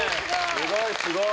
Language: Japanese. すごいすごい！